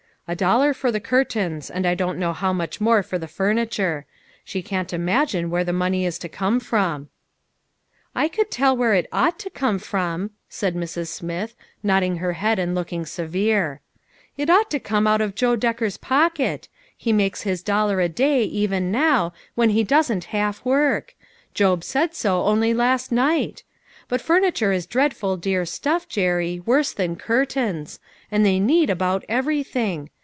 " A dollar for the curtains, and I don't know how much more for the furni ture. She can't imagine where the money is to come from." " I could tell where it ought to coma from," 116 LITTLE FISHEKS: AND THEIR NETS. said Mrs. Smith, nodding her head and looking severe. " It ought to come out of Joe Decker's pocket. He makes his dollar a day, even now, when he doesn't half work ; Job said so only last nisrht. But furniture is dreadful dear stuff, O * Jerry, worse than curtains. And they need about everything.